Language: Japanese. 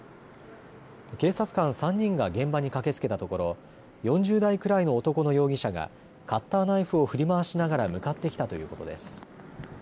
警察官３人が現場に駆けつけたところ４０代くらいの男の容疑者がカッターナイフを振り回しながら向かってきたということです。